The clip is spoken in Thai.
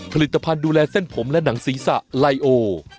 ผลิตภัณฑ์ดูแลเส้นผมและหนังศีรษะไลโอ